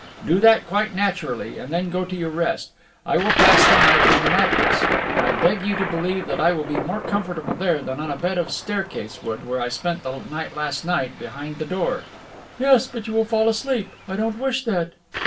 Do that quite naturally, and then go to your rest. I will pass the night on the mattress, and I beg you to believe that I will be more comfortable there than on a bed of staircase wood where I spent the night last night, behind the door." "Yes, but you will fall asleep. I don't wish that."